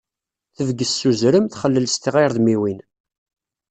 Tebges s uzrem, txellel s tɣirdmiwin.